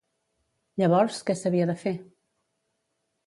Llavors, què s'havia de fer?